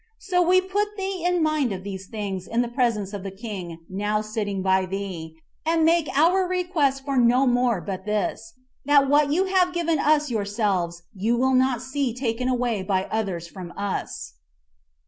So we put thee in mind of these things in the presence of the king, now sitting by thee, and make our request for no more but this, that what you have given us yourselves you will not see taken away by others from us."